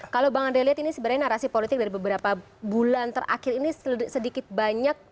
kalau bang andre lihat ini sebenarnya narasi politik dari beberapa bulan terakhir ini sedikit banyak